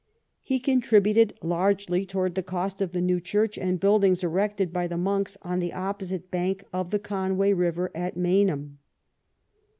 He contributed largely towards the cost of IV THE KING AND HIS WORK 69 the new church and buildings erected by the monks on the opposite bank of the Conway river at Meynam.